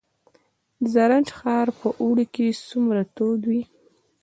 زرنج ښار په اوړي کې څومره تود وي؟